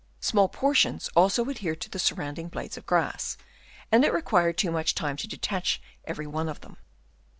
Small portions also adhered to the surrounding blades of grass, and it required too much time to detach every one of them.